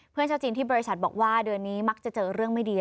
ชาวจีนที่บริษัทบอกว่าเดือนนี้มักจะเจอเรื่องไม่ดี